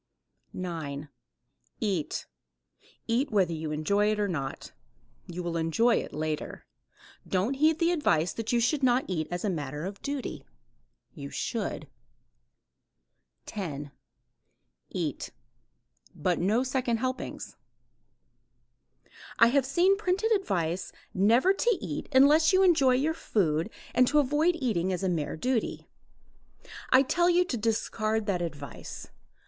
9. EAT. Eat whether you enjoy it or not. You will enjoy it later. Don't heed the advice that you should not eat as a matter of duty. You should. 10. EAT. But no second helpings. I have seen printed advice never to eat unless you enjoy your food and to avoid eating as a mere duty. I tell you to discard that advice.